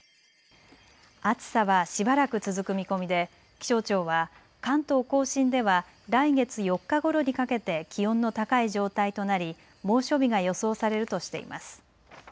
暑さはしばらく続く見込みで気象庁は関東甲信では来月４日ごろにかけて気温の高い状態となり猛暑日が予想されるとしています。